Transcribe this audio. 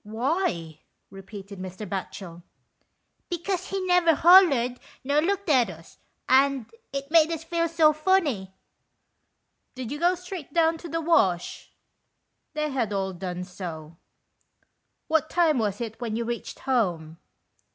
" Why ?" repeated Mr. Batchel. " Because he never hollered nor looked at us, and it made us feel so funny." " Did you go straight down to the Wash? " They had all done so. "What time was it when you reached home?"